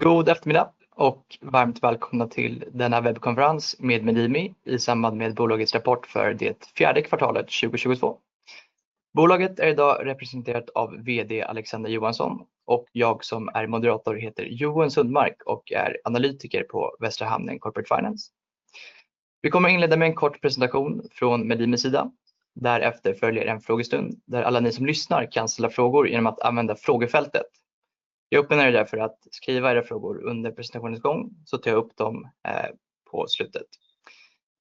God eftermiddag och varmt välkomna till denna webbkonferens med Medimi i samband med bolagets rapport för det fjärde kvartalet 2022. Bolaget är i dag representerat av VD Alexander Johansson och jag som är moderator heter Johan Sundmark och är analytiker på Västra Hamnen Corporate Finance. Vi kommer att inleda med en kort presentation från Medimis sida. Därefter följer en frågestund där alla ni som lyssnar kan ställa frågor igenom att använda frågefältet. Jag uppmuntrar er därför att skriva era frågor under presentationens gång så tar jag upp dem på slutet.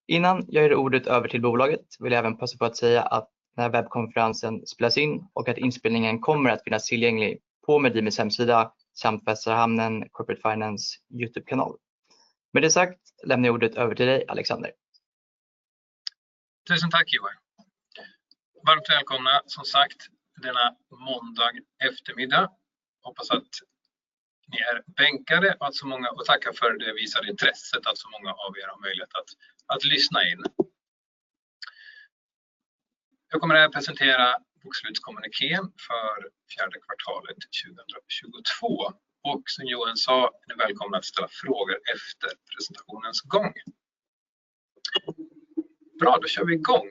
Innan jag ger ordet över till bolaget vill jag även passa på att säga att den här webbkonferensen spelas in och att inspelningen kommer att finnas tillgänglig på Medimis hemsida samt Västra Hamnen Corporate Finance Youtubekanal. Med det sagt lämnar jag ordet över till dig, Alexander. Tusen tack, Johan. Varmt välkomna som sagt denna måndag eftermiddag. Hoppas att ni är bänkade och tackar för det visade intresset att så många av er har möjlighet att lyssna in. Jag kommer att presentera bokslutskommunikén för fjärde kvartalet 2022. Som Johan sa, ni är välkomna att ställa frågor efter presentationens gång. Då kör vi i gång.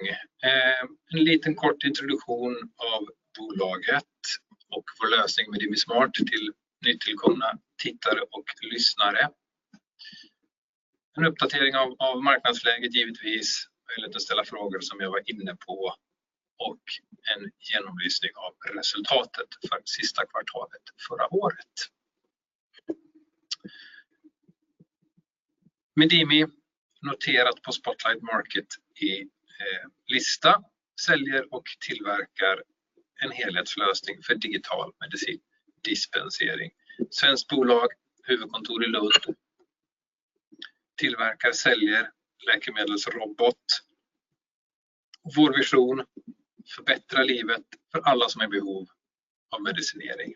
En liten kort introduktion av bolaget och vår lösning Medimi Smart till nytillkomna tittare och lyssnare. En uppdatering av marknadsläget givetvis, möjlighet att ställa frågor som jag var inne på en genomlysning av resultatet för sista kvartalet förra året. Medimi, noterat på Spotlight Stock Market i lista, säljer och tillverkar en helhetslösning för digital medicindispensering. Svenskt bolag, huvudkontor i Lund. Tillverkar, säljer läkemedelsrobot. Vår vision: förbättra livet för alla som är i behov av medicinering.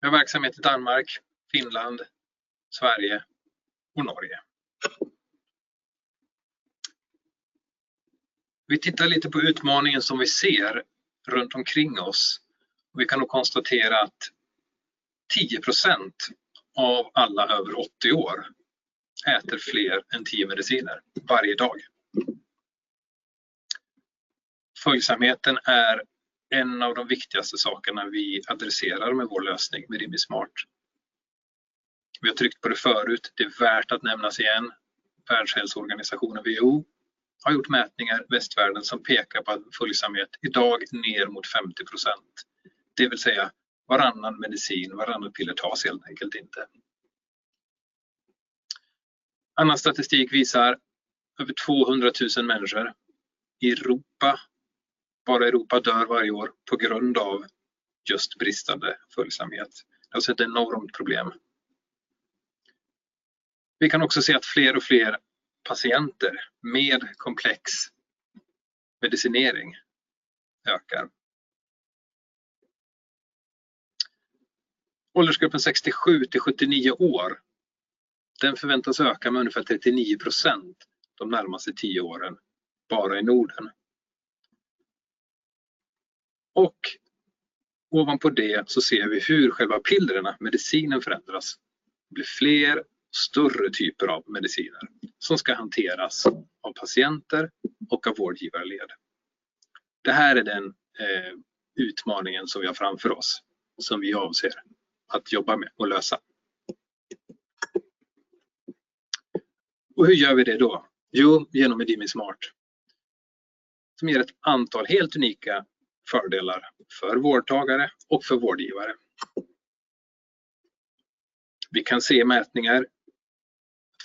Vi har verksamhet i Danmark, Finland, Sverige och Norge. Vi tittar lite på utmaningen som vi ser runt omkring oss. Vi kan nog konstatera att 10% av alla över 80 år äter fler än 10 mediciner varje dag. Följsamheten är en av de viktigaste sakerna vi adresserar med vår lösning Medimi Smart. Vi har tryckt på det förut, det är värt att nämnas igen. Världshälsoorganisationen WHO har gjort mätningar i västvärlden som pekar på att följsamhet i dag är ner mot 50%. Det vill säga, varannan medicin, varannan piller tas helt enkelt inte. Annan statistik visar över 200,000 människor i Europa, bara Europa, dör varje år på grund av just bristande följsamhet. Det är alltså ett enormt problem. Vi kan också se att fler och fler patienter med komplex medicinering ökar. Åldersgruppen 67 till 79 år, den förväntas öka med ungefär 39% de närmaste 10 åren, bara i Norden. Ovanpå det ser vi hur själva pillererna, medicinen förändras. Det blir fler och större typer av mediciner som ska hanteras av patienter och av vårdgivarlied. Det här är den utmaningen som vi har framför oss och som vi avser att jobba med och lösa. Hur gör vi det då? Jo, genom Medimi Smart, som ger ett antal helt unika fördelar för vårdtagare och för vårdgivare.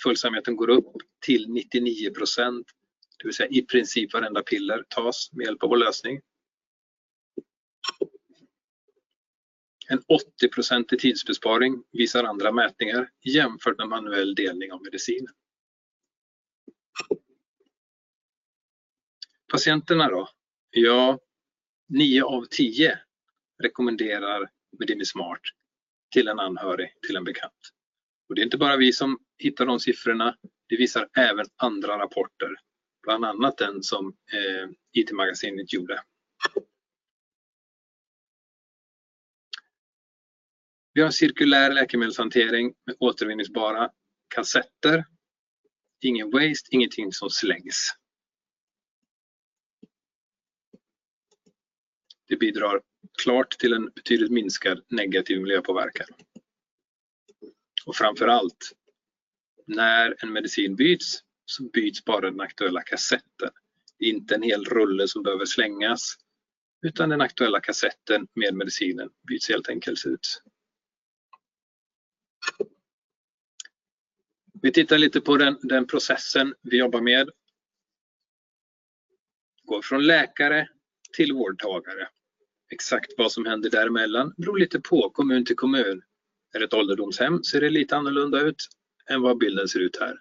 Vi kan se i mätningar: följsamheten går upp till 99%, det vill säga i princip varenda piller tas med hjälp av vår lösning. En 80% tidsbesparing visar andra mätningar jämfört med manuell delning av medicin. Patienterna då? Ja, 9 av 10 rekommenderar Medimi Smart till en anhörig, till en bekant. Det är inte bara vi som hittar de siffrorna. Det visar även andra rapporter, bland annat den som IT-magasinet gjorde. Vi har en cirkulär läkemedelshantering med återvinningsbara kassetter. Ingen waste, ingenting som slängs. Det bidrar klart till en betydligt minskad negativ miljöpåverkan. Framför allt, när en medicin byts, så byts bara den aktuella kassetten. Inte en hel rulle som behöver slängas, utan den aktuella kassetten med medicinen byts helt enkelt ut. Vi tittar lite på den processen vi jobbar med. Går från läkare till vårdtagare. Exakt vad som händer däremellan beror lite på kommun till kommun. Är det ett ålderdomshem ser det lite annorlunda ut än vad bilden ser ut här.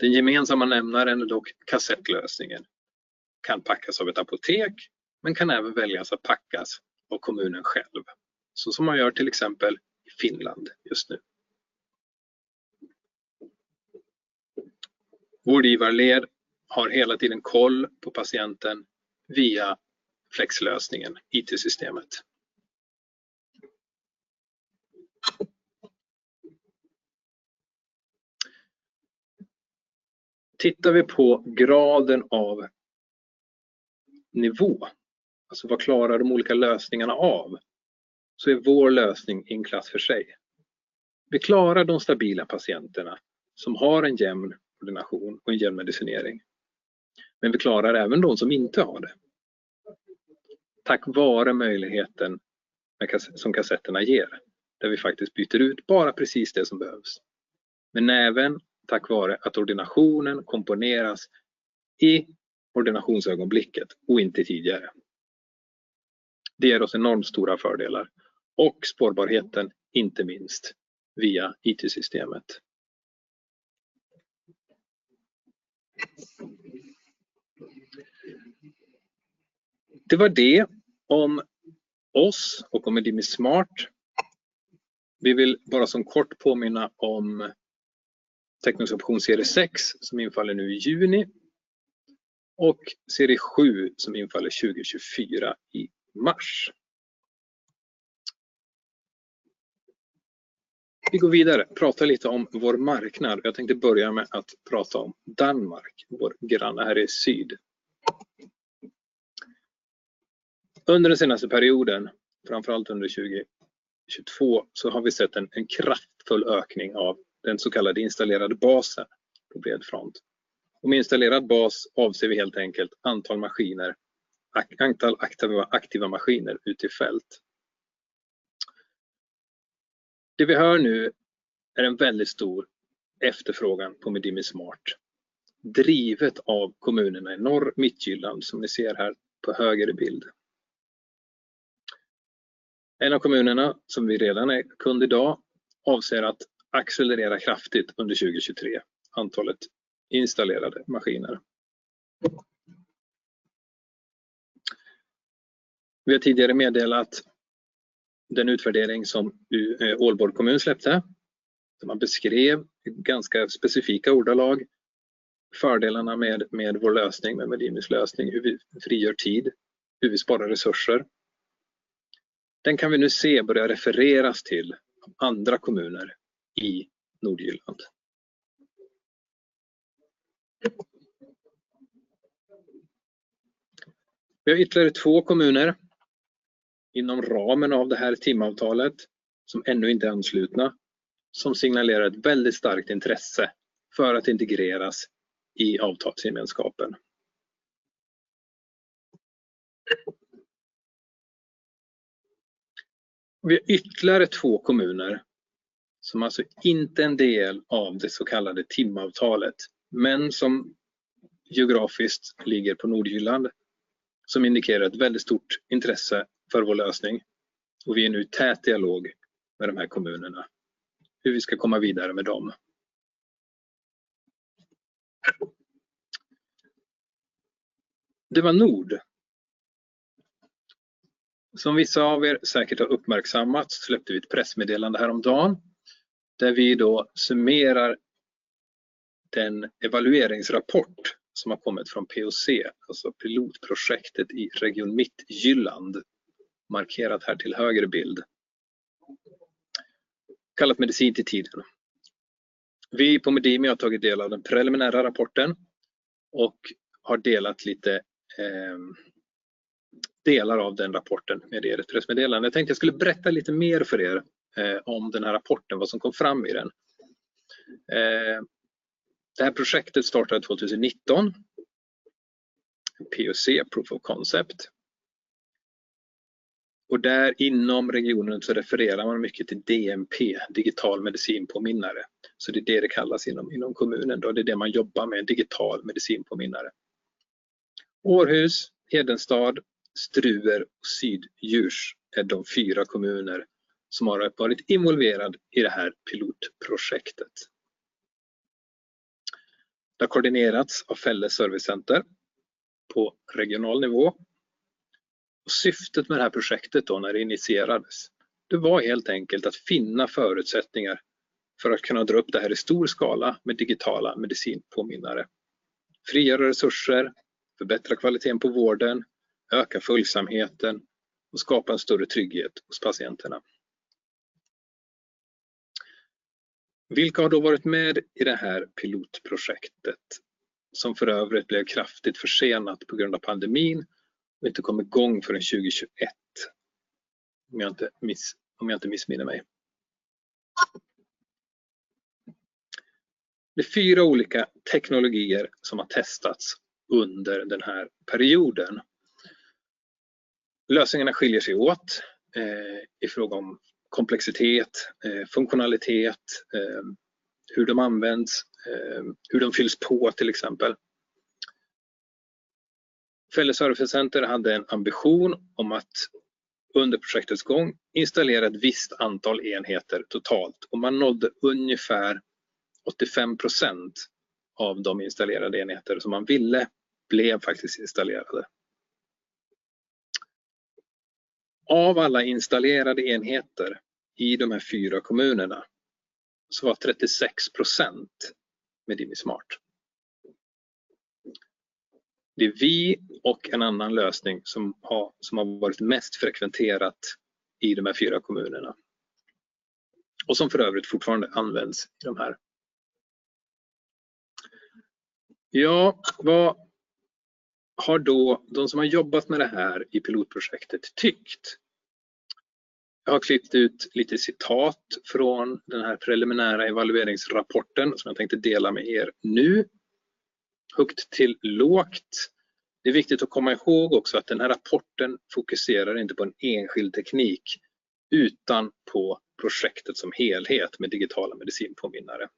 Den gemensamma nämnaren är dock kassettlösningen. Kan packas av ett apotek men kan även väljas att packas av kommunen själv. Så som man gör till exempel i Finland just nu. Vårdgivaren har hela tiden koll på patienten via Flexlösningen, IT-systemet. Tittar vi på graden av nivå, alltså vad klarar de olika lösningarna av, så är vår lösning i en klass för sig. Vi klarar de stabila patienterna som har en jämn ordination och en jämn medicinering. Vi klarar även de som inte har det. Tack vare möjligheten som kassetterna ger, där vi faktiskt byter ut bara precis det som behövs. Även tack vare att ordinationen komponeras i ordinationsögonblicket och inte tidigare. Det ger oss enormt stora fördelar och spårbarheten inte minst via IT-systemet. Det var det om oss och om Medimi Smart. Vi vill bara som kort påminna om teknisk option serie 6 som infaller nu i juni och serie 7 som infaller 2024 i mars. Vi går vidare, pratar lite om vår marknad. Jag tänkte börja med att prata om Denmark, vår grann här i syd. Under den senaste perioden, framför allt under 2022, så har vi sett en kraftfull ökning av den så kallade installerade basen på bred front. Om installerad bas avser vi helt enkelt antal maskiner, antal aktiva maskiner ute i fält. Det vi hör nu är en väldigt stor efterfrågan på Medimi Smart, drivet av kommunerna i Norr- och Mittjylland som vi ser här på höger i bild. En av kommunerna som redan är kund i dag avser att accelerera kraftigt under 2023, antalet installerade maskiner. Vi har tidigare meddelat den utvärdering som Aalborg Kommune släppte. Man beskrev i ganska specifika ordalag fördelarna med vår lösning, med Medimi's lösning, hur vi frigör tid, hur vi sparar resurser. Den kan vi nu se börja refereras till andra kommuner i Nordjylland. Vi har ytterligare två kommuner inom ramen av det här TIM-avtalet som ännu inte är anslutna, som signalerar ett väldigt starkt intresse för att integreras i avtalsgemenskapen. Vi har ytterligare två kommuner som alltså inte är en del av det så kallade TIM-avtalet, men som geografiskt ligger på Nordjylland, som indikerar ett väldigt stort intresse för vår lösning. Vi är nu i tät dialog med de här kommunerna, hur vi ska komma vidare med dem. Det var Nord. Som vissa av er säkert har uppmärksammat släppte vi ett pressmeddelande häromdagen där vi då summerar den evalueringsrapport som har kommit från POC, alltså pilotprojektet i Region Mittjylland, markerat här till höger i bild. Kallat Medicin i Tiden. Vi på Medimi har tagit del av den preliminära rapporten och har delat lite delar av den rapporten med er i ett pressmeddelande. Jag tänkte jag skulle berätta lite mer för er om den här rapporten, vad som kom fram i den. Det här projektet startade 2019. POC, proof of concept. Där inom regionen så refererar man mycket till DMP, digital medicinpåminnare. Det är det det kallas inom kommunen. Det är det man jobbar med, digital medicinpåminnare. Århus, Hedensted, Struer och Syd Djurs är de four kommuner som har varit involverade i det här pilotprojektet. Det har koordinerats av Fælles Servicecenter på regional nivå. Syftet med det här projektet då när det initierades, det var helt enkelt att finna förutsättningar för att kunna dra upp det här i stor skala med digitala medicinpåminnare. Frigöra resurser, förbättra kvaliteten på vården, öka följsamheten och skapa en större trygghet hos patienterna. Vilka har då varit med i det här pilotprojektet som för övrigt blev kraftigt försenat på grund av pandemin och inte kom i gång förrän 2021. Om jag inte missminner mig. Det är fyra olika teknologier som har testats under den här perioden. Lösningarna skiljer sig åt i fråga om komplexitet, funktionalitet, hur de används, hur de fylls på till exempel. Fælles Servicecenter hade en ambition om att under projektets gång installera ett visst antal enheter totalt. Man nådde ungefär 85% av de installerade enheter som man ville blev faktiskt installerade. Av alla installerade enheter i de här fyra kommunerna så var 36% Medimi Smart. Det är vi och en annan lösning som har varit mest frekventerat i de här fyra kommunerna. Som för övrigt fortfarande används i de här. Ja, vad har då de som har jobbat med det här i pilotprojektet tyckt? Jag har klippt ut lite citat från den här preliminära evalueringsrapporten som jag tänkte dela med er nu. Högt till lågt. Det är viktigt att komma ihåg också att den här rapporten fokuserar inte på en enskild teknik, utan på projektet som helhet med digitala medicinpåminnare.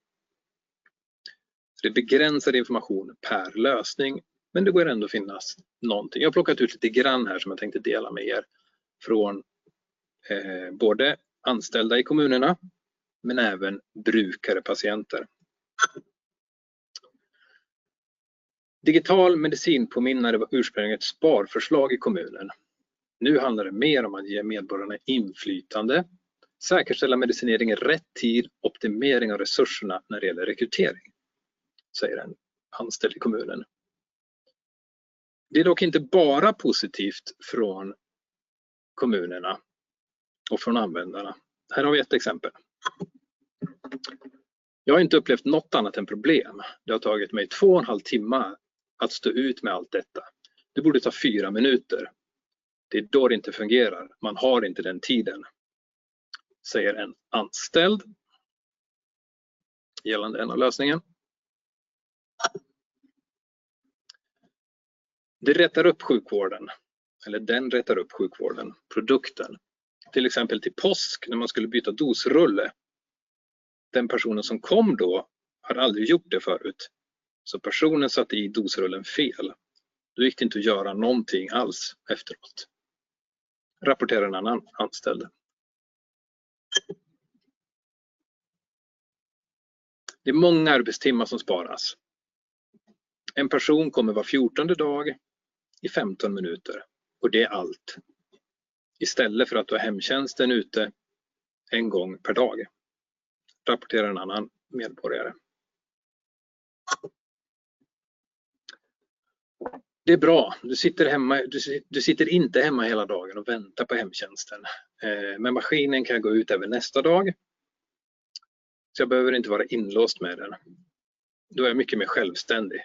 Det är begränsad information per lösning, men det kan ändå finnas någonting. Jag har plockat ut lite grann här som jag tänkte dela med er från både anställda i kommunerna men även brukare, patienter. Digital medicinpåminnare var ursprungligen ett sparförslag i kommunen. Det handlar mer om att ge medborgarna inflytande, säkerställa medicinering i rätt tid, optimering av resurserna när det gäller rekrytering, säger en anställd i kommunen. Det är dock inte bara positivt från kommunerna och från användarna. Här har vi ett exempel. Jag har inte upplevt något annat än problem. Det har tagit mig 2.5 timma att stå ut med allt detta. Det borde ta 4 minuter. Det är då det inte fungerar. Man har inte den tiden, säger en anställd gällande en av lösningen. Det rättar upp sjukvården eller den rättar upp sjukvården, produkten. Till exempel till påsk när man skulle byta dosrulle. Den personen som kom då hade aldrig gjort det förut. Personen satte i dosrullen fel. Det gick inte att göra någonting alls efteråt, rapporterar en annan anställd. Det är många arbetstimmar som sparas. En person kommer var 14:e dag i 15 minuter och det är allt. Istället för att ha hemtjänsten ute 1 gång per dag, rapporterar en annan medborgare. Det är bra. Du sitter hemma, du sitter inte hemma hela dagen och väntar på hemtjänsten. Med maskinen kan jag gå ut även nästa dag. Jag behöver inte vara inlåst med den. Då är jag mycket mer självständig.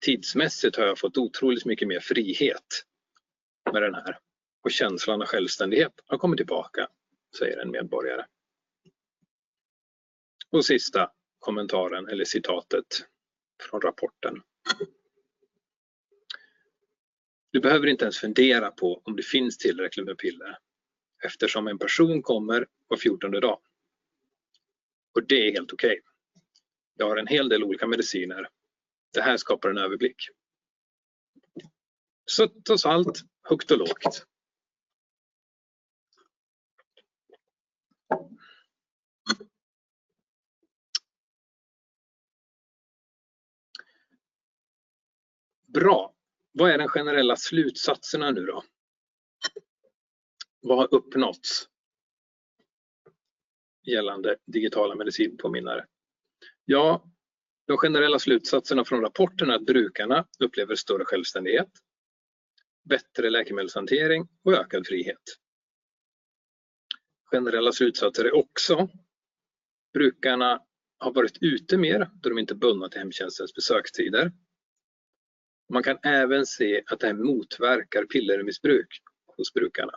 Tidsmässigt har jag fått otroligt mycket mer frihet med den här och känslan av självständighet har kommit tillbaka, säger en medborgare. Sista kommentaren eller citatet från rapporten: Du behöver inte ens fundera på om det finns tillräckligt med piller eftersom en person kommer var fjortonde dag. Det är helt okej. Jag har en hel del olika mediciner. Det här skapar en överblick. Sött och salt, högt och lågt. Bra. Vad är de generella slutsatserna nu då? Vad har uppnåtts gällande digitala medicinpåminnare? De generella slutsatserna från rapporten är att brukarna upplever större självständighet, bättre läkemedelshantering och ökad frihet. Generella slutsatser är också: brukarna har varit ute mer då de inte är bundna till hemtjänstens besökstider. Man kan även se att det här motverkar pillermissbruk hos brukarna.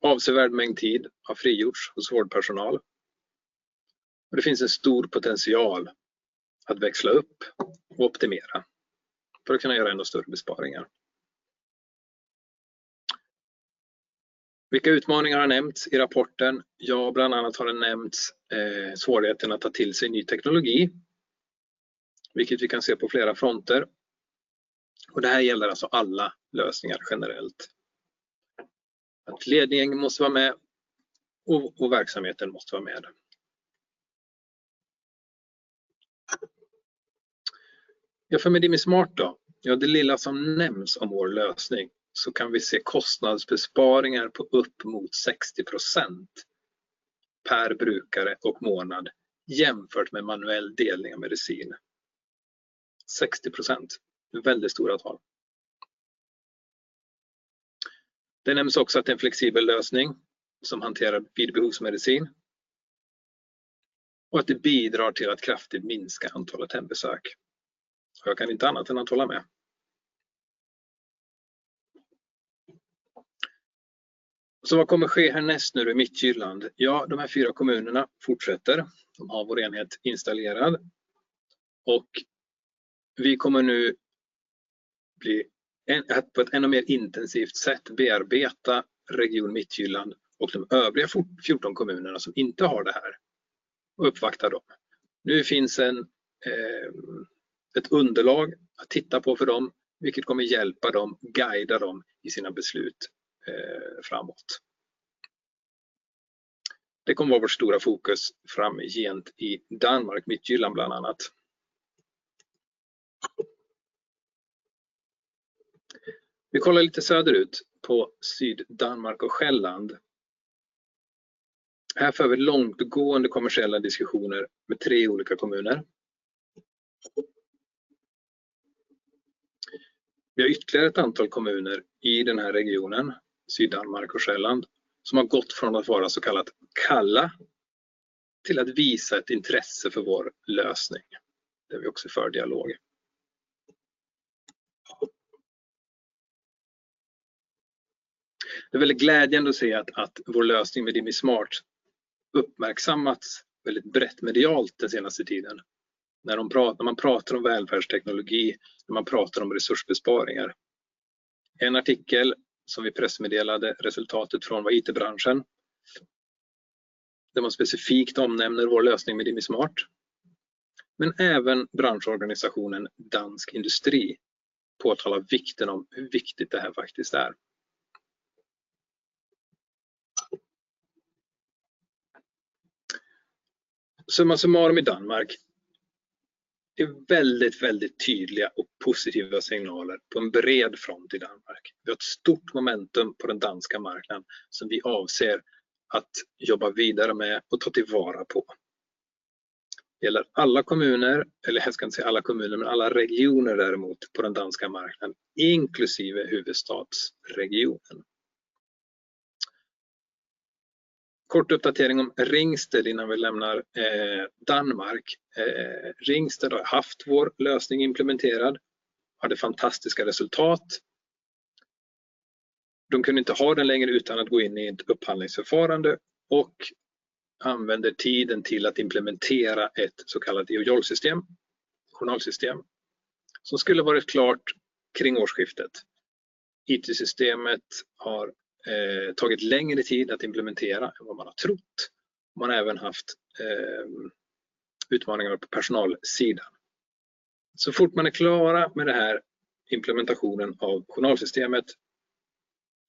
Avsevärd mängd tid har frigjorts hos vårdpersonal. Det finns en stor potential att växla upp och optimera för att kunna göra ännu större besparingar. Vilka utmaningar har nämnts i rapporten? Bland annat har det nämnts svårigheten att ta till sig ny teknologi, vilket vi kan se på flera fronter. Det här gäller alltså alla lösningar generellt. Att ledningen måste vara med och verksamheten måste vara med. För Medimi Smart då? Det lilla som nämns om vår lösning så kan vi se kostnadsbesparingar på upp mot 60% per brukare och månad jämfört med manuell delning av medicin. 60%. En väldigt stor tal. Det nämns också att det är en flexibel lösning som hanterar vidbehovsmedicin. Att det bidrar till att kraftigt minska antalet hembesök. Jag kan inte annat än att hålla med. Vad kommer ske härnäst nu i Mittjylland? De här 4 kommunerna fortsätter. De har vår enhet installerad och vi kommer nu bli på ett ännu mer intensivt sätt bearbeta region Mittjylland och de övriga 14 kommunerna som inte har det här och uppvakta dem. Nu finns en ett underlag att titta på för dem, vilket kommer hjälpa dem, guida dem i sina beslut framåt. Det kommer vara vårt stora fokus framgent i Danmark, Mittjylland bland annat. Vi kollar lite söderut på Syddanmark och Själland. Här för vi långtgående kommersiella diskussioner med 3 olika kommuner. Vi har ytterligare ett antal kommuner i den här regionen, Syddanmark och Själland, som har gått från att vara så kallat kalla till att visa ett intresse för vår lösning. Där vi också för dialog. Det är väldigt glädjande att se att vår lösning Medimi Smart uppmärksammats väldigt brett medialt den senaste tiden. När de pratar, när man pratar om välfärdsteknologi, när man pratar om resursbesparingar. En artikel som vi pressmeddelade resultatet från var IT-Branschen. Man specifikt omnämner vår lösning Medimi Smart. Även branschorganisationen Dansk Industri påtalar vikten av hur viktigt det här faktiskt är. Summa summarum i Danmark. Det är väldigt tydliga och positiva signaler på en bred front i Danmark. Vi har ett stort momentum på den danska marknaden som vi avser att jobba vidare med och ta tillvara på. Gäller alla kommuner, eller jag ska inte säga alla kommuner, men alla regioner däremot på den danska marknaden, inklusive huvudstadsregionen. Kort uppdatering om Ringsted innan vi lämnar Danmark. Ringsted har haft vår lösning implementerad, hade fantastiska resultat. De kunde inte ha den längre utan att gå in i ett upphandlingsförfarande och använder tiden till att implementera ett så kallat e-journal system, journalsystem, som skulle varit klart kring årsskiftet. IT-systemet har tagit längre tid att implementera än vad man har trott. Man har även haft utmaningar på personalsidan. Fort man är klara med det här implementationen av journalsystemet,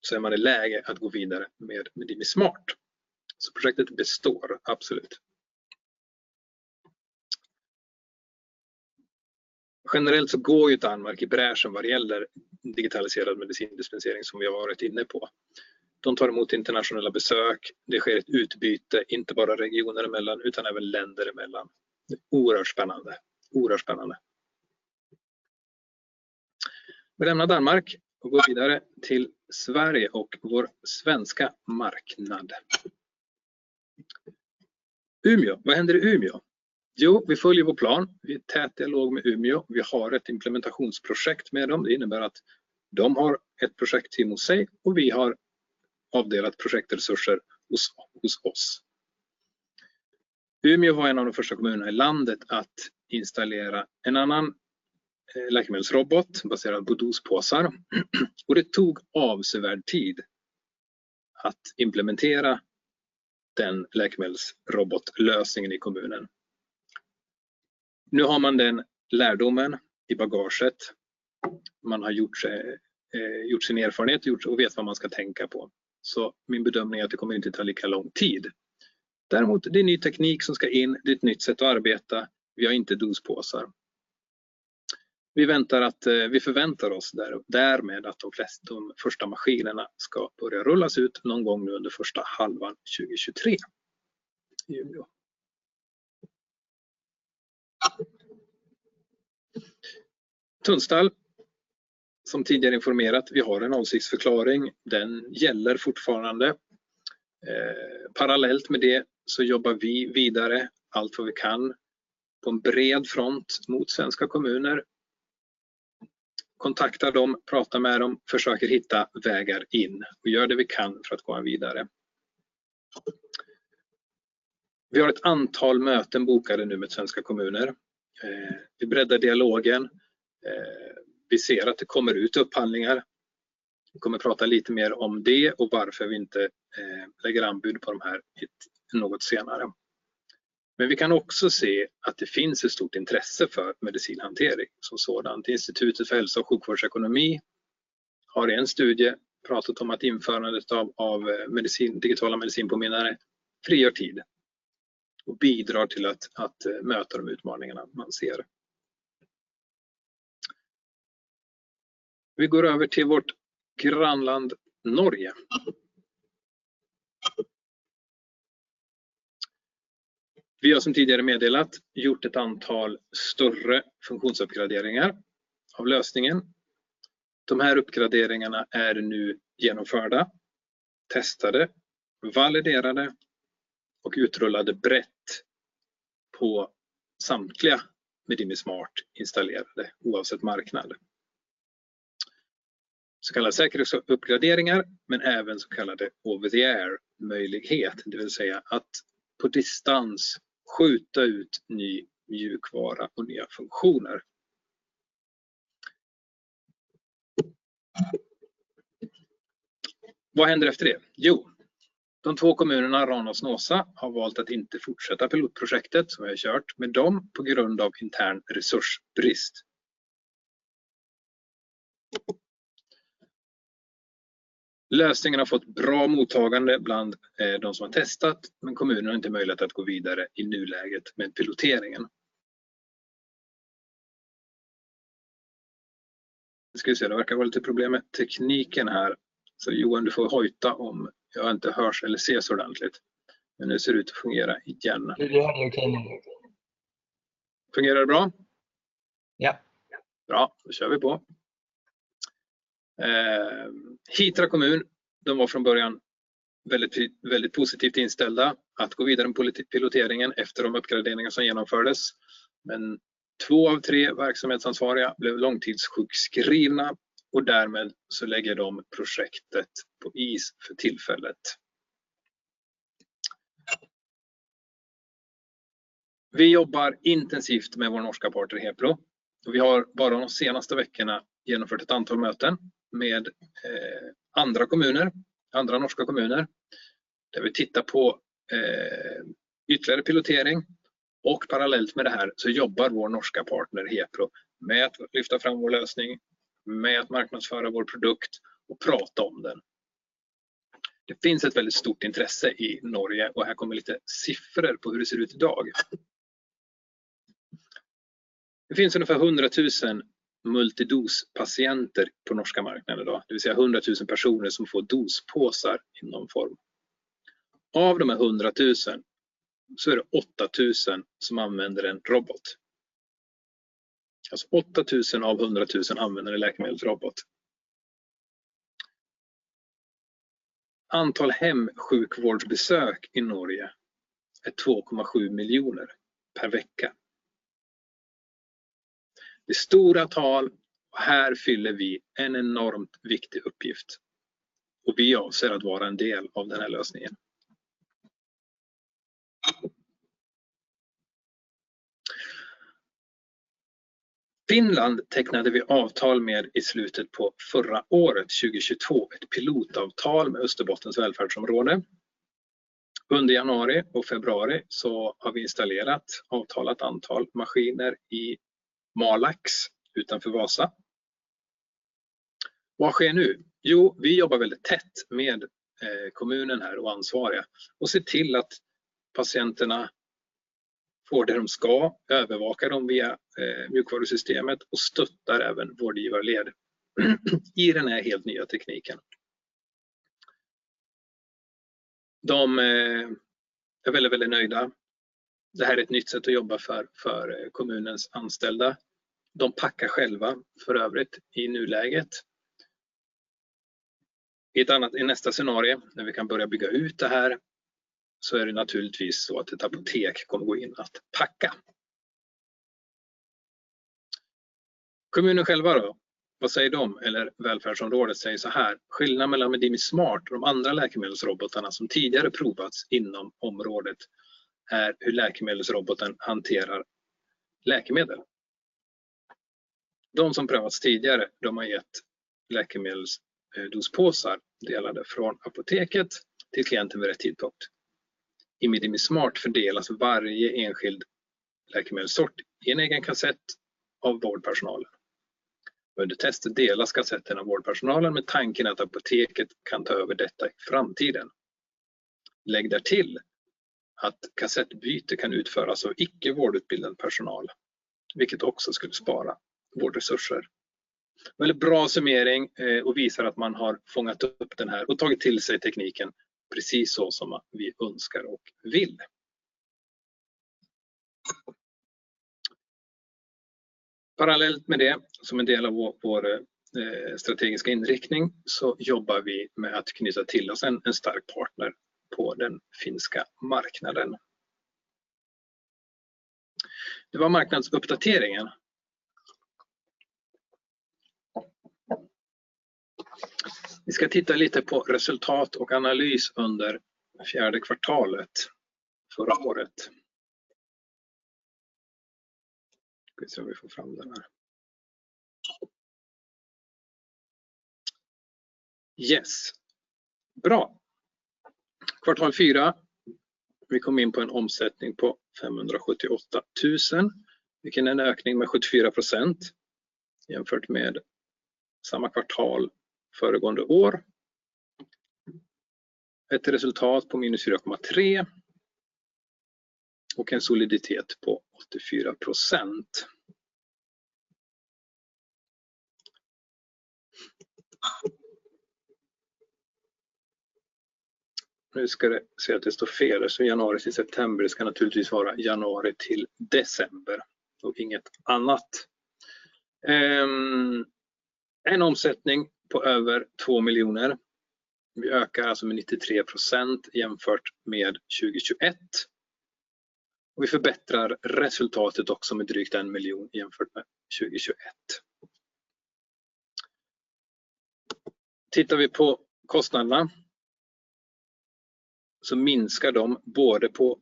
så är man i läge att gå vidare med Medimi Smart. Projektet består absolut. Generellt så går ju Denmark i bräschen vad det gäller digitaliserad medicindispensering som vi har varit inne på. De tar emot internationella besök. Det sker ett utbyte, inte bara regioner emellan, utan även länder emellan. Oerhört spännande. Vi lämnar Denmark och går vidare till Sverige och vår svenska marknad. Umeå. Vad händer i Umeå? Jo, vi följer vår plan. Vi är i tät dialog med Umeå. Vi har ett implementationsprojekt med dem. Det innebär att de har ett projektteam hos sig och vi har avdelat projektresurser hos oss. Umeå var en av de första kommunerna i landet att installera en annan läkemedelsrobot baserad på dospåsar. Det tog avsevärd tid att implementera den läkemedelsrobotlösningen i kommunen. Nu har man den lärdomen i bagaget. Man har gjort gjort sin erfarenhet och vet vad man ska tänka på. Min bedömning är att det kommer inte ta lika lång tid. Däremot, det är ny teknik som ska in. Det är ett nytt sätt att arbeta. Vi har inte dospåsar. Vi förväntar oss därmed att de första maskinerna ska börja rullas ut någon gång nu under första halvan 2023 i Umeå. Tunstall, som tidigare informerat, vi har en avsiktsförklaring. Den gäller fortfarande. Parallellt med det så jobbar vi vidare allt vad vi kan på en bred front mot svenska kommuner. Kontaktar dem, pratar med dem, försöker hitta vägar in och gör det vi kan för att komma vidare. Vi har ett antal möten bokade nu med svenska kommuner. Vi breddar dialogen. Vi ser att det kommer ut upphandlingar. Vi kommer prata lite mer om det och varför vi inte lägger anbud på de här något senare. Vi kan också se att det finns ett stort intresse för medicinhantering som sådan. Institutet för Hälso- och Sjukvårdsekonomi har i en studie pratat om att införandet av medicin, digitala medicinpåminnare frigör tid och bidrar till att möta de utmaningarna man ser. Vi går över till vårt grannland Norge. Vi har som tidigare meddelat gjort ett antal större funktionsuppgraderingar av lösningen. De här uppgraderingarna är nu genomförda, testade, validerade och utrullade brett på samtliga Medimi Smart installerade, oavsett marknad. Kallade säkerhetsuppgraderingar, men även så kallade over-the-air-möjlighet, det vill säga att på distans skjuta ut ny mjukvara och nya funktioner. Vad händer efter det? De två kommunerna Rana och Snåsa har valt att inte fortsätta pilotprojektet som vi har kört med dem på grund av intern resursbrist. Lösningen har fått bra mottagande bland de som har testat, kommunen har inte möjlighet att gå vidare i nuläget med piloteringen. Ska vi se, det verkar vara lite problem med tekniken här. Johan, du får hojta om jag inte hörs eller ses ordentligt. Nu ser det ut att fungera igen. Fungerar det bra? Ja. Bra, kör vi på. Hitra kommun, de var från början väldigt positivt inställda att gå vidare med piloteringen efter de uppgraderingar som genomfördes. Två av tre verksamhetsansvariga blev långtidssjukskrivna och därmed lägger de projektet på is för tillfället. Vi jobbar intensivt med vår norska partner Hepro. Vi har bara de senaste veckorna genomfört ett antal möten med andra kommuner, andra norska kommuner, där vi tittar på ytterligare pilotering. Parallellt med det här så jobbar vår norska partner Hepro med att lyfta fram vår lösning, med att marknadsföra vår produkt och prata om den. Det finns ett väldigt stort intresse i Norge och här kommer lite siffror på hur det ser ut i dag. Det finns ungefär 100,000 multidospatienter på norska marknaden i dag. Det vill säga 100,000 personer som får dospåsar i någon form. Av de här 100,000 så är det 8,000 som använder en robot. Alltså 8,000 av 100,000 använder en läkemedelsrobot. Antal hemsjukvårdsbesök i Norge är 2.7 million per vecka. Det är stora tal och här fyller vi en enormt viktig uppgift. Vi avser att vara en del av den här lösningen. Finland tecknade vi avtal med i slutet på förra året, 2022, ett pilotavtal med Österbottens välfärdsområde. Under januari och februari har vi installerat avtalat antal maskiner i Malax utanför Vasa. Vad sker nu? Vi jobbar väldigt tätt med kommunen här och ansvariga och ser till att patienterna får det de ska, övervakar dem via mjukvårdssystemet och stöttar även vårdgivare led i den här helt nya tekniken. De är väldigt nöjda. Det här är ett nytt sätt att jobba för kommunens anställda. De packar själva för övrigt i nuläget. I nästa scenario, när vi kan börja bygga ut det här, är det naturligtvis så att ett apotek kommer gå in att packa. Kommunen själva, vad säger de? Eller välfärdsområdet säger såhär: Skillnaden mellan Medimi Smart och de andra läkemedelsrobotarna som tidigare provats inom området är hur läkemedelsroboten hanterar läkemedel. De som prövats tidigare, de har gett läkemedels dospåsar delade från apoteket till klienten med rätt tidpunkt. I Medimi Smart fördelas varje enskild läkemedelssort i en egen kassett av vårdpersonalen. Under testet delas kassetten av vårdpersonalen med tanken att apoteket kan ta över detta i framtiden. Lägg där till att kassettbyte kan utföras av icke vårdutbildad personal, vilket också skulle spara vårdresurser. Väldigt bra summering och visar att man har fångat upp den här och tagit till sig tekniken precis så som vi önskar och vill. Parallellt med det, som en del av vår strategiska inriktning, så jobbar vi med att knyta till oss en stark partner på den finska marknaden. Det var marknadsuppdateringen. Vi ska titta lite på resultat och analys under fjärde kvartalet förra året. Ska vi se om vi får fram den här. Yes, bra. Kvartal fyra. Vi kom in på en omsättning på SEK 578,000, vilket är en ökning med 74% jämfört med samma kvartal föregående år. Ett resultat på minus SEK 4.3. En soliditet på 84%. Nu ska det se att det står fel. Det står January till September. Det ska naturligtvis vara January till December och inget annat. En omsättning på över SEK 2 million. Vi ökar alltså med 93% jämfört med 2021. Vi förbättrar resultatet också med drygt SEK 1 million jämfört med 2021. Tittar vi på kostnaderna så minskar de både på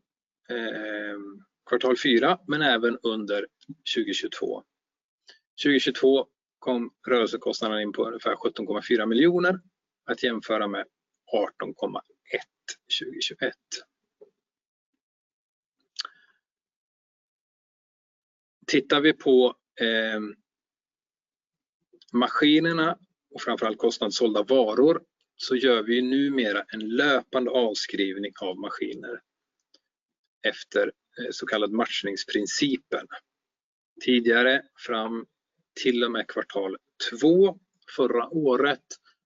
kvartal fyra, men även under 2022. 2022 kom rörelsekostnaderna in på ungefär SEK 17.4 million att jämföra med SEK 18.1 million 2021. Tittar vi på maskinerna och framför allt kostnad sålda varor så gör vi numera en löpande avskrivning av maskiner efter så kallad matchningsprincipen. Tidigare fram till och med quarter two förra året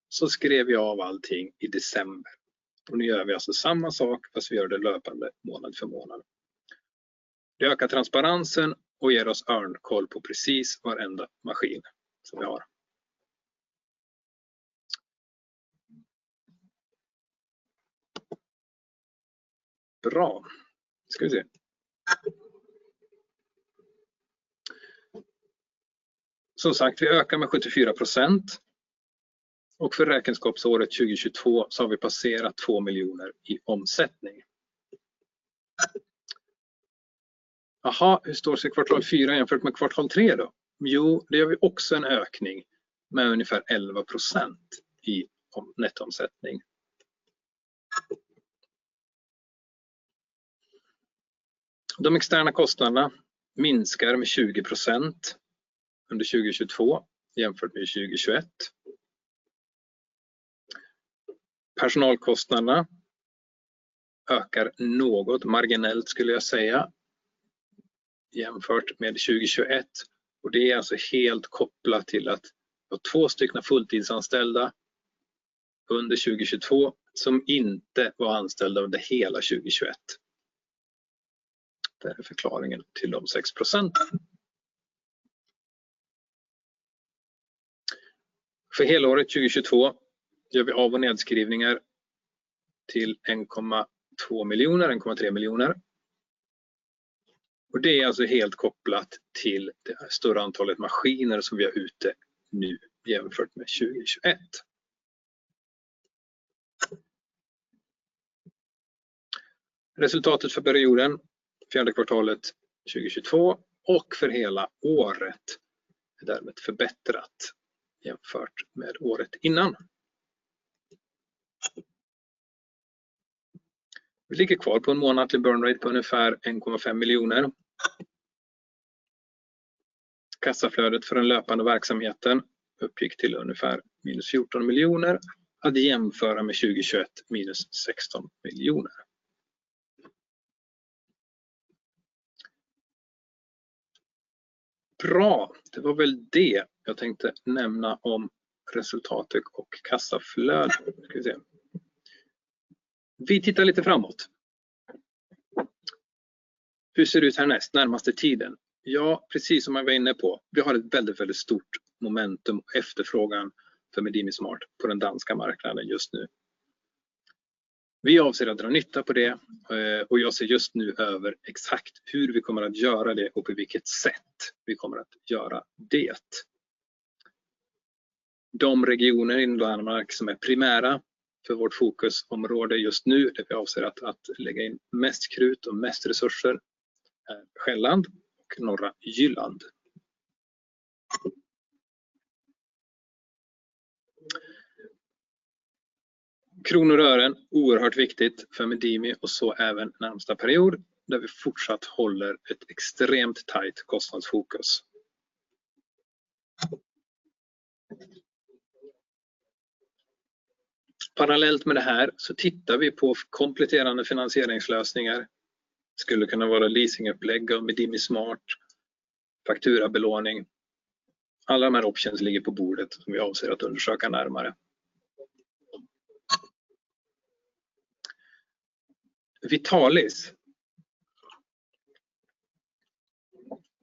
så skrev vi av allting i December. Nu gör vi alltså samma sak fast vi gör det löpande månad för månad. Det ökar transparensen och ger oss ögonkoll på precis varenda maskin som vi har. Bra. Ska vi se. Som sagt, vi ökar med 74% och för räkenskapsåret 2022 så har vi passerat SEK 2 million i omsättning. Hur står sig quarter four jämfört med quarter three då? Det gör vi också en ökning med ungefär 11% i om-nettoomsättning. De externa kostnaderna minskar med 20% under 2022 jämfört med 2021. Personalkostnaderna ökar något marginellt skulle jag säga, jämfört med 2021. Det är alltså helt kopplat till att vi har 2 fulltidsanställda under 2022 som inte var anställda under hela 2021. Det är förklaringen till de 6%. För helåret 2022 gör vi av-och nedskrivningar till SEK 1.2 million-SEK 1.3 million. Det är alltså helt kopplat till det större antalet maskiner som vi har ute nu jämfört med 2021. Resultatet för perioden, fjärde kvartalet 2022 och för hela året är därmed förbättrat jämfört med året innan. Vi ligger kvar på en månatlig burn rate på ungefär SEK 1.5 million. Kassaflödet för den löpande verksamheten uppgick till ungefär minus SEK 14 million. Att jämföra med 2021 minus SEK 16 million. Bra, det var väl det jag tänkte nämna om resultatet och kassaflöde. Ska vi se. Vi tittar lite framåt. Hur ser det ut härnäst, närmaste tiden? Ja, precis som jag var inne på, vi har ett väldigt stort momentum och efterfrågan för Medimi Smart på den danska marknaden just nu. Vi avser att dra nytta på det och jag ser just nu över exakt hur vi kommer att göra det och på vilket sätt vi kommer att göra det. De regioner i Danmark som är primära för vårt fokusområde just nu, där vi avser att lägga in mest krut och mest resurser är Själland och Norra Jylland. Kronor och ören, oerhört viktigt för Medimi och så även närmaste period, där vi fortsatt håller ett extremt tajt kostnadsfokus. Parallellt med det här så tittar vi på kompletterande finansieringslösningar. Skulle kunna vara leasingupplägg av Medimi Smart, fakturabelåning. Alla de här options ligger på bordet som vi avser att undersöka närmare. Vitalis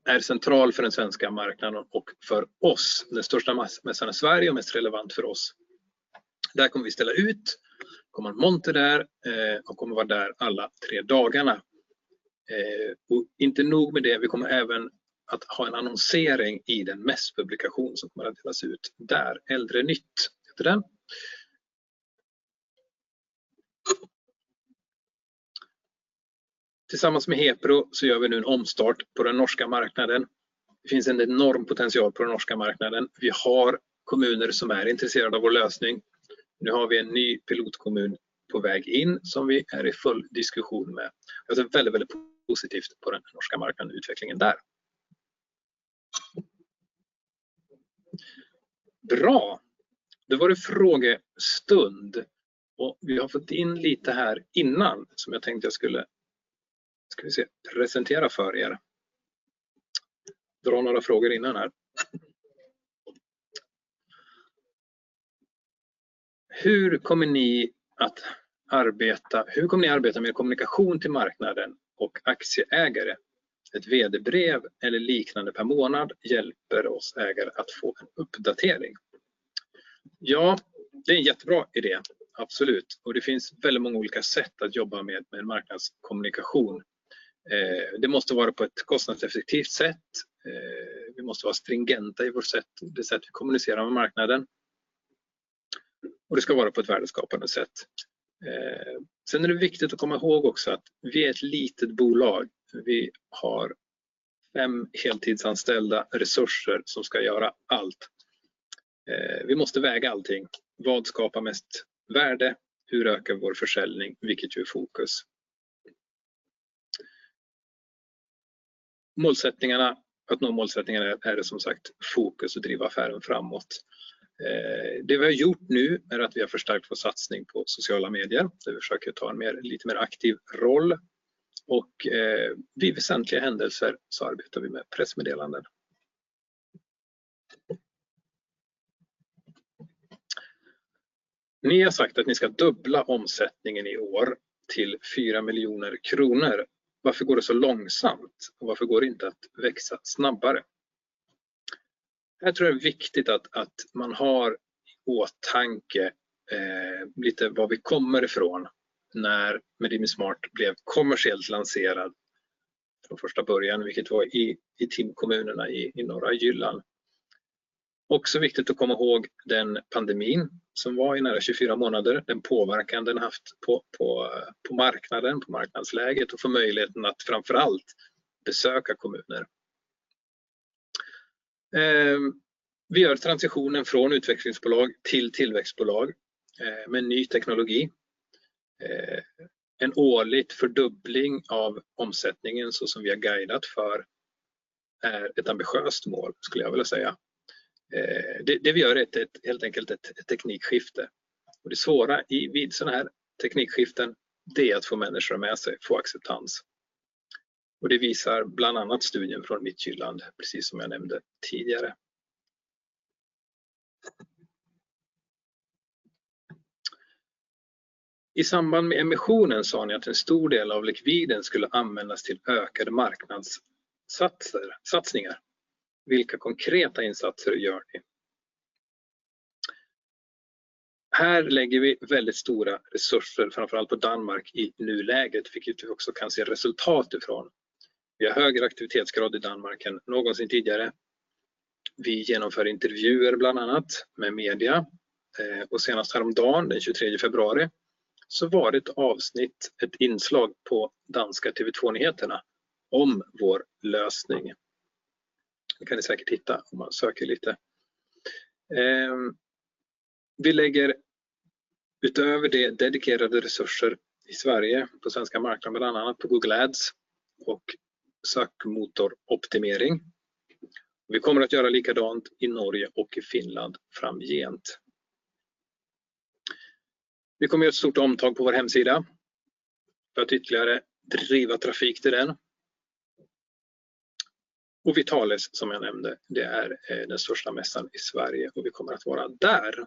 är central för den svenska marknaden och för oss. Den största mässan i Sverige och mest relevant för oss. Där kommer vi ställa ut, kommer ha en monter där och kommer vara där alla 3 dagarna. Inte nog med det, vi kommer även att ha en annonsering i den mässpublikation som kommer att delas ut där. Äldre Nytt, heter den. Tillsammans med Hepro så gör vi nu en omstart på den norska marknaden. Det finns en enorm potential på den norska marknaden. Vi har kommuner som är intresserade av vår lösning. Nu har vi en ny pilotkommun på väg in som vi är i full diskussion med. Jag ser väldigt positivt på den norska marknaden och utvecklingen där. Bra, då var det frågestund och vi har fått in lite här innan som jag tänkte presentera för er. Dra några frågor innan här. Hur kommer ni att arbeta? Hur kommer ni arbeta med kommunikation till marknaden och aktieägare? Ett VD-brev eller liknande per månad hjälper oss ägare att få en uppdatering. Ja, det är en jättebra idé, absolut. Det finns väldigt många olika sätt att jobba med marknadskommunikation. Det måste vara på ett kostnadseffektivt sätt. Vi måste vara stringenta i vårt sätt, det sätt vi kommunicerar med marknaden. Det ska vara på ett värdeskapande sätt. Det är viktigt att komma ihåg också att vi är ett litet bolag. Vi har 5 heltidsanställda resurser som ska göra allt. Vi måste väga allting. Vad skapar mest värde? Hur ökar vår försäljning? Vilket är fokus? Målsättningarna, att nå målsättningarna är det som sagt fokus att driva affären framåt. Det vi har gjort nu är att vi har förstärkt vår satsning på sociala medier. Vi försöker ta en mer, lite mer aktiv roll och vid väsentliga händelser så arbetar vi med pressmeddelanden. Ni har sagt att ni ska dubbla omsättningen i år till SEK 4 miljoner. Varför går det så långsamt? Varför går det inte att växa snabbare? Här tror jag det är viktigt att man har i åtanke, lite var vi kommer ifrån när Medimi Smart blev kommersiellt lanserad från första början, vilket var i TIM-kommunerna i norra Jylland. Också viktigt att komma ihåg den pandemin som var i nära 24 månader, den påverkan den haft på marknaden, på marknadsläget och för möjligheten att framför allt besöka kommuner. Vi gör transitionen från utvecklingsbolag till tillväxtbolag med ny teknologi. En årlig fördubbling av omsättningen, så som vi har guidat för, är ett ambitiöst mål skulle jag vilja säga. Det, det vi gör är helt enkelt ett teknikskifte. Det svåra i, vid sådana här teknikskiften, det är att få människor med sig, få acceptans. Det visar bland annat studien från Mitt Jylland, precis som jag nämnde tidigare. I samband med emissionen sa ni att en stor del av likviden skulle användas till ökade marknadssatser, satsningar. Vilka konkreta insatser gör ni? Här lägger vi väldigt stora resurser, framför allt på Danmark i nuläget, vilket vi också kan se resultat ifrån. Vi har högre aktivitetsgrad i Danmark än någonsin tidigare. Vi genomför intervjuer bland annat med media. Senast häromdagen, den 23 februari, så var det ett avsnitt, ett inslag på danska TV 2-nyheterna om vår lösning. Det kan ni säkert hitta om man söker lite. Vi lägger utöver det dedikerade resurser i Sverige på svenska marknaden, bland annat på Google Ads och sökmotoroptimering. Kommer att göra likadant i Norge och i Finland framgent. Kommer att göra ett stort omtag på vår hemsida för att ytterligare driva trafik till den. Vitalis, som jag nämnde, det är den största mässan i Sverige och vi kommer att vara där.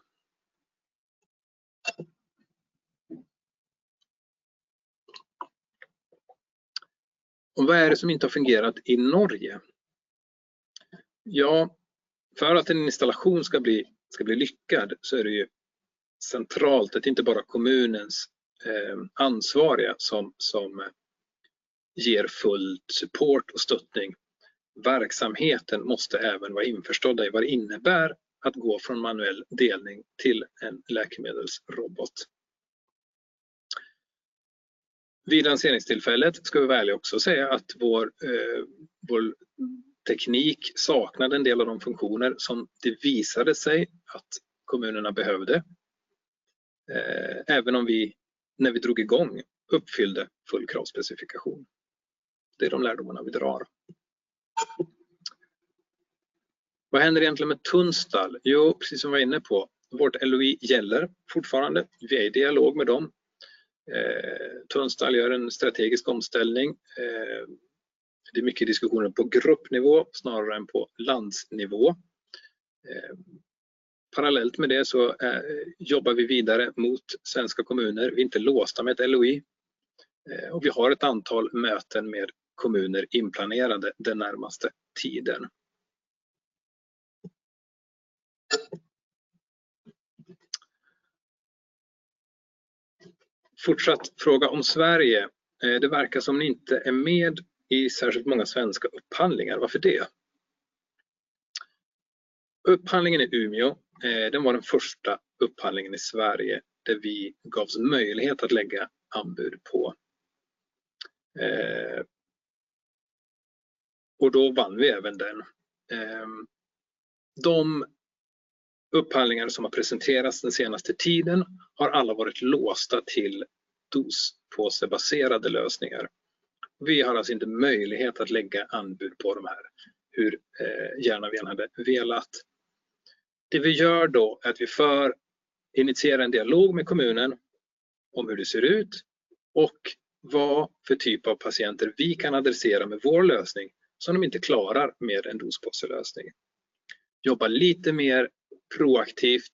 Vad är det som inte har fungerat i Norge? Ja, för att en installation ska bli lyckad så är det ju centralt att inte bara kommunens ansvariga som ger full support och stöttning. Verksamheten måste även vara införstådda i vad det innebär att gå från manuell delning till en läkemedelsrobot. Vid lanseringstillfället ska vi ärlig också säga att vår vår teknik saknade en del av de funktioner som det visade sig att kommunerna behövde. Även om vi, när vi drog i gång, uppfyllde full kravspecifikation. Det är de lärdomarna vi drar. Vad händer egentligen med Tunstall? Precis som vi var inne på, vårt LOI gäller fortfarande. Vi är i dialog med dem. Tunstall gör en strategisk omställning. Det är mycket diskussioner på gruppnivå snarare än på landsnivå. Parallellt med det jobbar vi vidare mot svenska kommuner. Vi är inte låsta med ett LOI. Vi har ett antal möten med kommuner inplanerade den närmaste tiden. Fortsatt fråga om Sverige. Det verkar som ni inte är med i särskilt många svenska upphandlingar. Varför det? Upphandlingen i Umeå, den var den första upphandlingen i Sverige där vi gavs möjlighet att lägga anbud på. Då vann vi även den. De upphandlingar som har presenterats den senaste tiden har alla varit låsta till dospåsebaserade lösningar. Vi har alltså inte möjlighet att lägga anbud på de här, hur gärna vi än hade velat. Det vi gör då är att vi initierar en dialog med kommunen om hur det ser ut och vad för typ av patienter vi kan adressera med vår lösning som de inte klarar med en dospåselösning. Jobbar lite mer proaktivt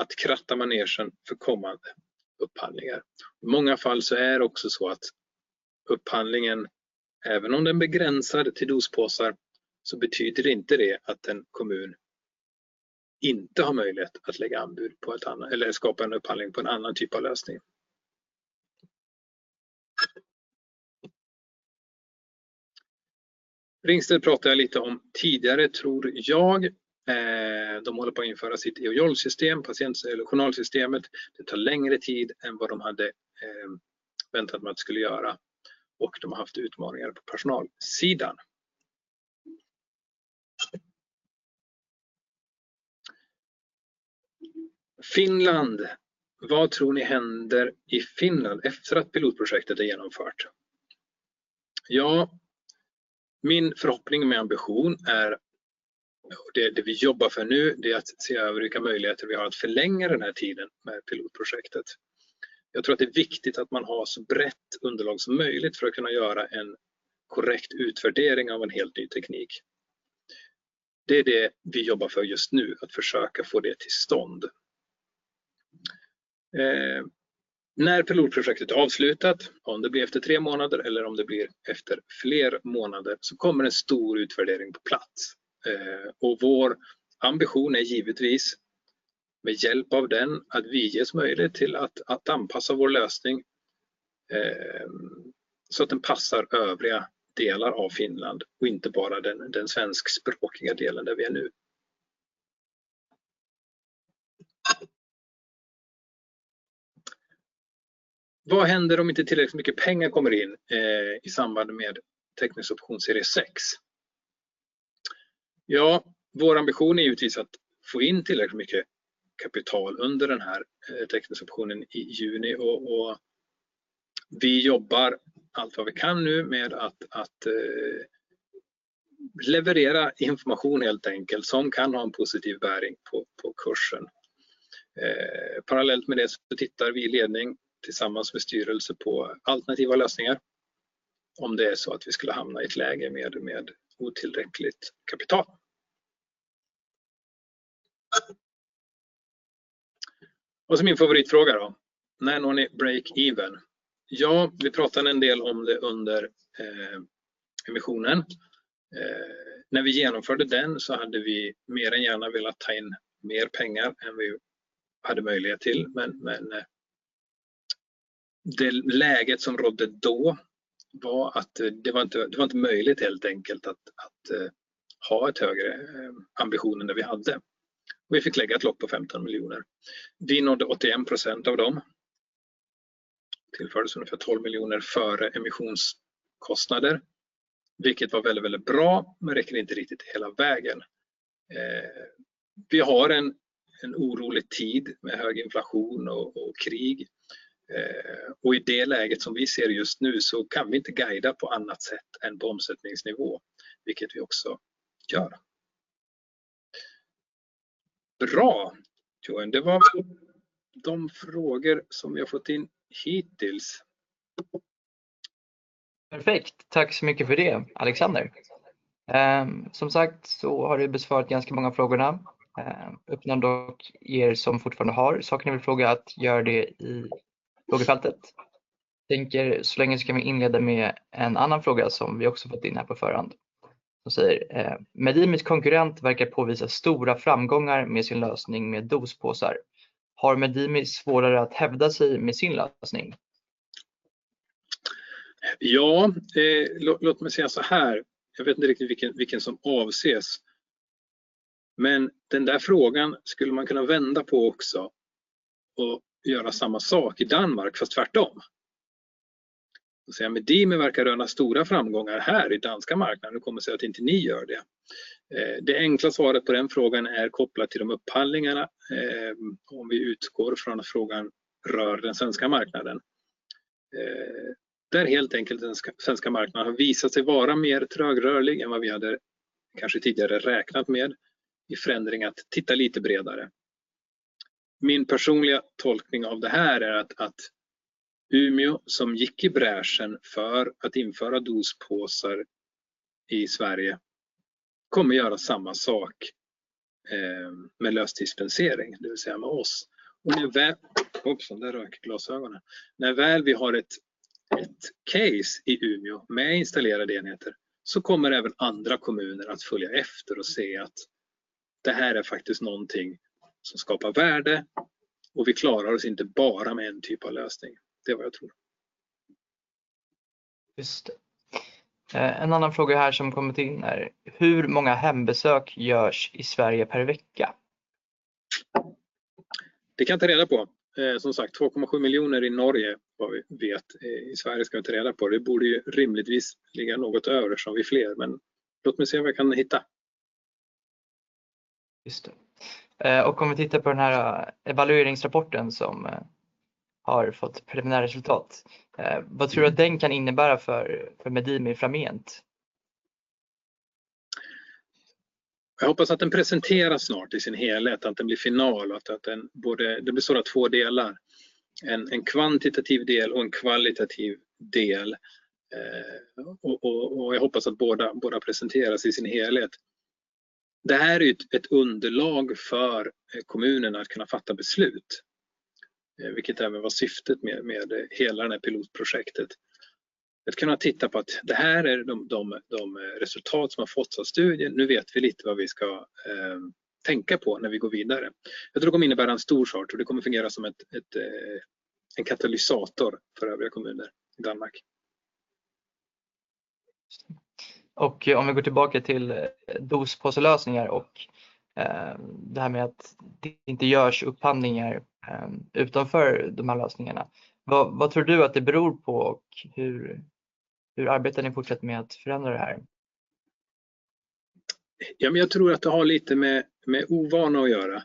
att kratta manegen för kommande upphandlingar. I många fall så är det också så att upphandlingen, även om den är begränsad till dospåsar, så betyder inte det att en kommun inte har möjlighet att lägga anbud på ett annat eller skapa en upphandling på en annan typ av lösning. Ringsted pratade jag lite om tidigare tror jag. De håller på att införa sitt e-journal system, journalsystemet. Det tar längre tid än vad de hade väntat mig att skulle göra och de har haft utmaningar på personalsidan. Finland, vad tror ni händer i Finland efter att pilotprojektet är genomfört? Min förhoppning med ambition är, det vi jobbar för nu, det är att se över vilka möjligheter vi har att förlänga den här tiden med pilotprojektet. Jag tror att det är viktigt att man har så brett underlag som möjligt för att kunna göra en korrekt utvärdering av en helt ny teknik. Det är det vi jobbar för just nu att försöka få det till stånd. När pilotprojektet är avslutat, om det blir efter tre månader eller om det blir efter fler månader, så kommer en stor utvärdering på plats. Vår ambition är givetvis med hjälp av den att vi ges möjlighet till att anpassa vår lösning, så att den passar övriga delar av Finland och inte bara den Svenskspråkiga delen där vi är nu. Vad händer om inte tillräckligt mycket pengar kommer in i samband med teckningsoption serie 6? Vår ambition är givetvis att få in tillräckligt mycket kapital under den här teckningsoptionen i juni. Vi jobbar allt vad vi kan nu med att leverera information helt enkelt som kan ha en positiv bäring på kursen. Parallellt med det tittar vi i ledning tillsammans med styrelse på alternativa lösningar. Om det är så att vi skulle hamna i ett läge med otillräckligt kapital. Min favoritfråga då: När når ni break even? Vi pratade en del om det under emissionen. När vi genomförde den hade vi mer än gärna velat ta in mer pengar än vi hade möjlighet till. Det läget som rådde då var att det var inte möjligt helt enkelt att ha ett högre ambition än det vi hade. Vi fick lägga ett lopp på SEK 15 million. Vi nådde 81% av dem. Tillfördes ungefär SEK 12 million före emissionskostnader, vilket var väldigt bra. Räcker inte riktigt hela vägen. Vi har en orolig tid med hög inflation och krig. I det läget som vi ser just nu så kan vi inte guida på annat sätt än på omsättningsnivå, vilket vi också gör. Bra, Joen. Det var de frågor som vi har fått in hittills. Perfekt. Tack så mycket för det, Alexander. Som sagt, så har du besvarat ganska många av frågorna. Öppnar dock er som fortfarande har saker ni vill fråga att göra det i frågefältet. Tänker så länge ska vi inleda med en annan fråga som vi också fått in här på förhand. Som säger: Medimis konkurrent verkar påvisa stora framgångar med sin lösning med dospåsar. Har Medimi svårare att hävda sig med sin lösning? Ja, låt mig säga såhär. Jag vet inte riktigt vilken som avses. Den där frågan skulle man kunna vända på också och göra samma sak i Danmark för tvärtom. Säga: Medimi verkar röna stora framgångar här i danska marknaden. Hur kommer det sig att inte ni gör det? Det enkla svaret på den frågan är kopplat till de upphandlingarna. Om vi utgår från att frågan rör den svenska marknaden. Där helt enkelt den svenska marknaden har visat sig vara mer trögrörlig än vad vi hade kanske tidigare räknat med i förändring att titta lite bredare. Min personliga tolkning av det här är att Umeå, som gick i bräschen för att införa dospåsar i Sverige, kommer göra samma sak, med lösdispensering, det vill säga med oss. När väl... Hoppsan, där rök glasögonen. När väl vi har ett case i Umeå med installerade enheter, så kommer även andra kommuner att följa efter och se att det här är faktiskt någonting som skapar värde och vi klarar oss inte bara med en typ av lösning. Det är vad jag tror. Just det. En annan fråga här som kommit in är: Hur många hembesök görs i Sverige per vecka? Det kan jag ta reda på. Som sagt, NOK 2.7 million i Norge vad vi vet. I Sverige ska vi ta reda på. Det borde ju rimligtvis ligga något över eftersom vi är fler. Låt mig se vad jag kan hitta. Just det. Om vi tittar på den här evalueringsrapporten som har fått preliminära resultat. Vad tror du att den kan innebära för Medimi framgent? Jag hoppas att den presenteras snart i sin helhet, att den blir final. Den består av 2 delar. En kvantitativ del och en kvalitativ del. Jag hoppas att båda presenteras i sin helhet. Det här är ett underlag för kommunen att kunna fatta beslut, vilket även var syftet med hela det här pilotprojektet. Att kunna titta på att det här är de resultat som har fått av studien. Nu vet vi lite vad vi ska tänka på när vi går vidare. Jag tror det kommer innebära en stor sak och det kommer fungera som en katalysator för övriga kommuner i Danmark. Om vi går tillbaka till dospåselösningar och det här med att det inte görs upphandlingar utanför de här lösningarna. Vad tror du att det beror på och hur arbetar ni fortsatt med att förändra det här? Jag tror att det har lite med ovana att göra.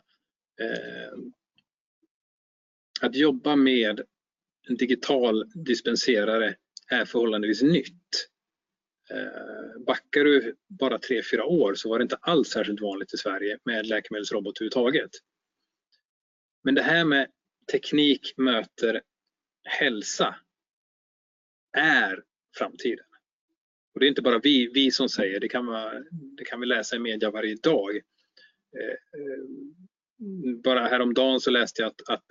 Att jobba med en digital dispenserare är förhållandevis nytt. Backar du bara tre, fyra år så var det inte alls särskilt vanligt i Sverige med läkemedelsrobot överhuvudtaget. Det här med teknik möter hälsa är framtiden. Det är inte bara vi som säger, det kan vi läsa i media varje dag. Bara häromdagen så läste jag att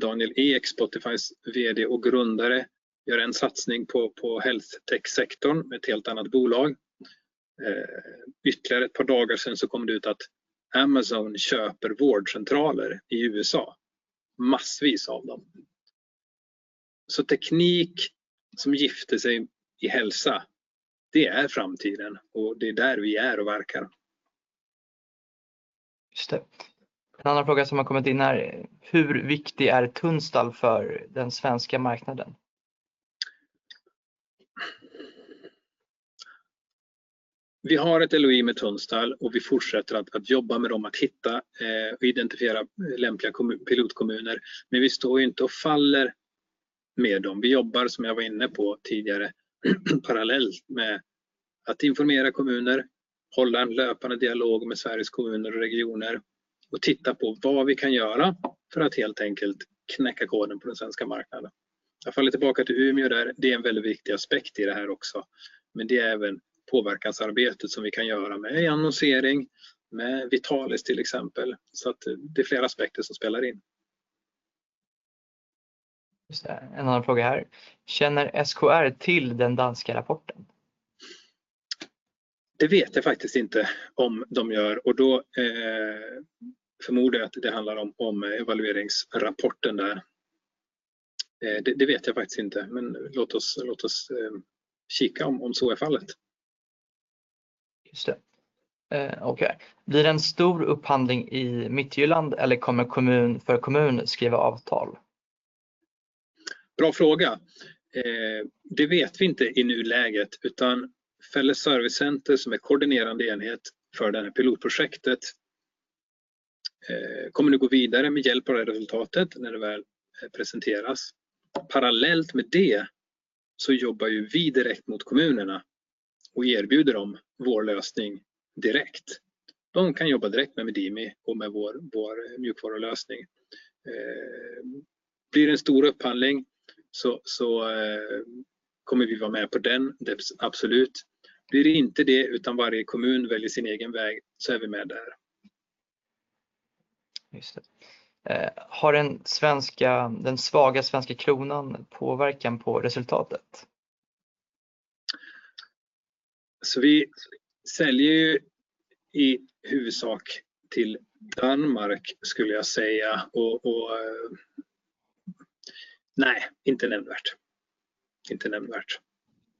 Daniel Ek, Spotifys VD och grundare, gör en satsning på health tech-sektorn med ett helt annat bolag. Ytterligare ett par dagar sen så kom det ut att Amazon köper vårdcentraler i USA, massvis av dem. Teknik som gifter sig i hälsa, det är framtiden och det är där vi är och verkar. Just det. En annan fråga som har kommit in är: Hur viktig är Tunstall för den svenska marknaden? Vi har ett LOI med Tunstall. Vi fortsätter att jobba med dem, att hitta och identifiera lämpliga pilotkommuner. Vi står inte och faller med dem. Vi jobbar, som jag var inne på tidigare, parallellt med att informera kommuner, hålla en löpande dialog med Sveriges Kommuner och Regioner och titta på vad vi kan göra för att helt enkelt knäcka koden på den svenska marknaden. Jag faller tillbaka till Umeå där, det är en väldigt viktig aspekt i det här också. Det är även påverkansarbetet som vi kan göra med annonsering, med Vitalis till exempel. Det är flera aspekter som spelar in. Just det. En annan fråga här: Känner SKR till den danska rapporten? Det vet jag faktiskt inte om de gör och då förmodar jag att det handlar om evalueringsrapporten där. Det vet jag faktiskt inte, men låt oss kika om så är fallet. Just det. Okej. Blir det en stor upphandling i Mittjylland eller kommer kommun för kommun skriva avtal? Bra fråga. Det vet vi inte i nuläget, utan Fælles Servicecenter som är koordinerande enhet för det här pilotprojektet, kommer nu gå vidare med hjälp av det resultatet när det väl presenteras. Parallellt med det så jobbar ju vi direkt mot kommunerna och erbjuder dem vår lösning direkt. De kan jobba direkt med Medimi och med vår mjukvarulösning. Blir det en stor upphandling så kommer vi vara med på den. Det absolut. Blir det inte det, utan varje kommun väljer sin egen väg, så är vi med där. Just det. Har den svenska den svaga svenska kronan påverkan på resultatet? Vi säljer ju i huvudsak till Danmark skulle jag säga. Nej, inte nämnvärt. Inte nämnvärt.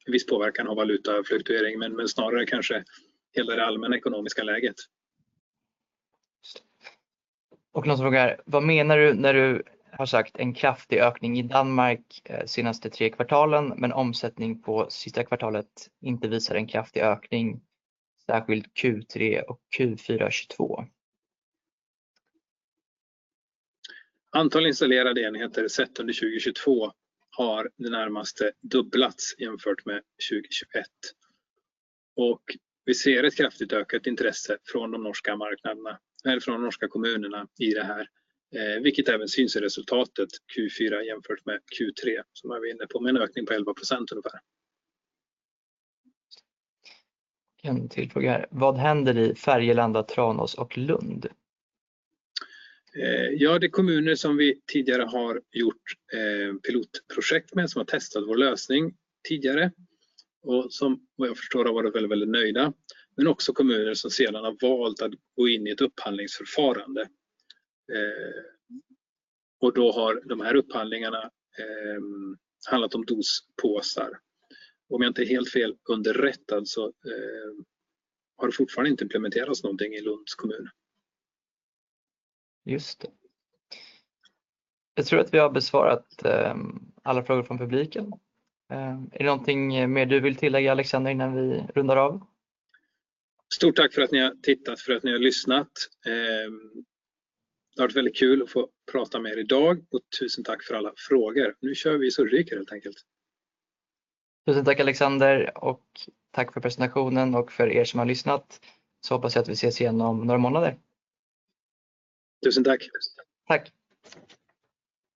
En viss påverkan av valutafluktuering, men snarare kanske hela det allmänna ekonomiska läget. Just det. Någon frågar: Vad menar du när du har sagt en kraftig ökning i Danmark senaste 3 kvartalen, men omsättning på sista kvartalet inte visar en kraftig ökning, särskild Q3 och Q4 2022? Antal installerade enheter sett under 2022 har i det närmaste dubblats jämfört med 2021. Vi ser ett kraftigt ökat intresse från de norska marknaderna eller från de norska kommunerna i det här, vilket även syns i resultatet Q4 jämfört med Q3 som jag var inne på med en ökning på 11% ungefär. En till fråga här: Vad händer i Färgelanda, Tranås och Lund? Ja, det är kommuner som vi tidigare har gjort pilotprojekt med, som har testat vår lösning tidigare och som, vad jag förstår, har varit väldigt nöjda, men också kommuner som sedan har valt att gå in i ett upphandlingsförfarande. Då har de här upphandlingarna handlat om dospåsar. Om jag inte är helt fel underrättad så har det fortfarande inte implementerats någonting i Lunds kommun. Just det. Jag tror att vi har besvarat alla frågor från publiken. Är det någonting mer du vill tillägga, Alexander, innan vi rundar av? Stort tack för att ni har tittat, för att ni har lyssnat. Det har varit väldigt kul att få prata med er i dag och tusen tack för alla frågor. Nu kör vi Sverige helt enkelt. Tusen tack, Alexander och tack för presentationen och för er som har lyssnat så hoppas jag att vi ses igen om några månader. Tusen tack. Tack!